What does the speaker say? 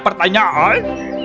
tidak ada pertanyaan